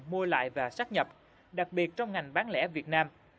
mua lại và xác nhập đặc biệt trong ngành bán lẻ việt nam